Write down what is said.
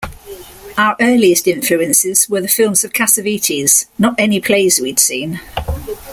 Our earliest influences were the films of Cassavetes, not any plays we'd seen.